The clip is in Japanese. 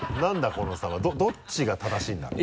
この差はどっちが正しいんだろう？